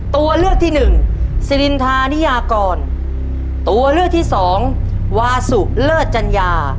ตัวเลือกที่หนึ่งสิรินทานิยากรตัวเลือกที่สองวาสุเลิศจัญญา